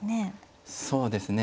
そうですね。